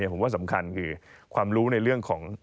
ผมว่าสำคัญคือความรู้ในเรื่องของ